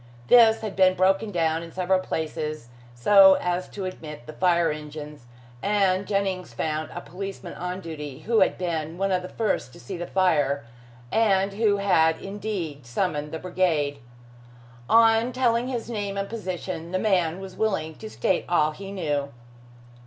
This had been broken down in several places so as to admit the fire engines, and Jennings found a policeman on duty who had been one of the first to see the fire, and who had indeed summoned the brigade. On telling his name and position, the man was willing to state all he knew.